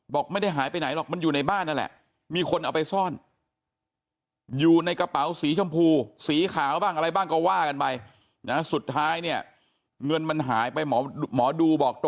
บอกไม่ได้หายไปไหนหรอก